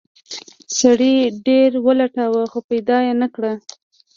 سړي ډیر ولټاوه خو پیدا یې نه کړ.